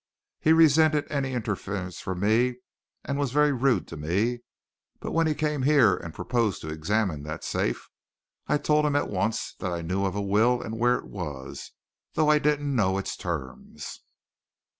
He resented any interference from me and was very rude to me, but when he came here and proposed to examine that safe, I told him at once that I knew of a will and where it was, though I didn't know its terms.